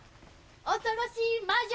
恐ろしい魔女！